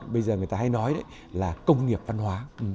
bây giờ người ta hay nói đấy là công nghiệp văn hóa